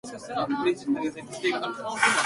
今年は暑い日が続いています